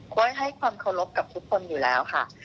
้อยให้ความเคารพกับทุกคนอยู่แล้วค่ะ